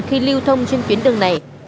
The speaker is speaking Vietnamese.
khi lưu thông trên tuyến đường này